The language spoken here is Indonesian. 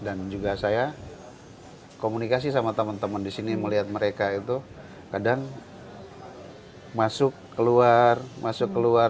dan juga saya komunikasi sama teman teman di sini melihat mereka itu kadang masuk keluar masuk keluar